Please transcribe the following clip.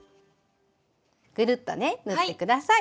ぐるっとね縫って下さい。